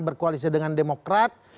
berkoalisi dengan demokrat